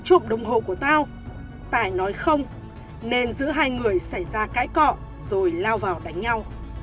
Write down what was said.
chuộp đồng hồ của tao tải nói không nên giữ hai người xảy ra cãi cọ rồi lao vào đánh nhau